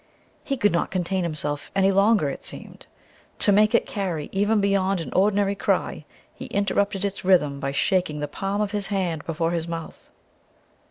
He could not contain himself any longer, it seemed. To make it carry even beyond an ordinary cry he interrupted its rhythm by shaking the palm of his hand before his mouth.